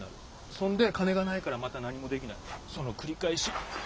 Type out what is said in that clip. そんで金がないからまた何もできないその繰り返し。